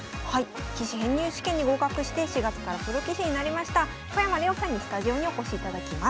棋士編入試験に合格して４月からプロ棋士になりました小山怜央さんにスタジオにお越しいただきます。